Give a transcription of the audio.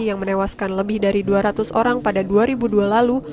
yang menewaskan lebih dari dua ratus orang pada dua ribu dua lalu